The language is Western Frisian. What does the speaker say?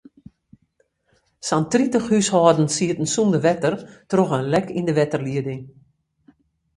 Sa'n tritich húshâldens sieten sûnder wetter troch in lek yn de wetterlieding.